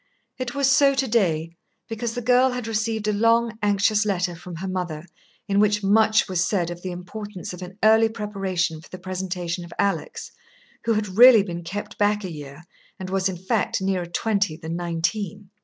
It was so to day, because the girl had received a long, anxious letter from her mother, in which much was said of the importance of an early preparation for the presentation of Alix, who had really been kept back a year, and was in fact nearer twenty than nineteen.